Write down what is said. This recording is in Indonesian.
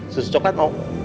susu coklat mau